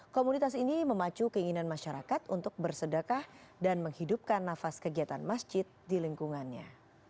komunitas ini memacu keinginan masyarakat untuk bersedekah dan menghidupkan nafas kegiatan masjid di lingkungannya